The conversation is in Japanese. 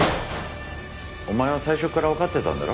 お前は最初からわかってたんだろ？